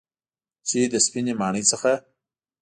چې له سپینې ماڼۍ څخه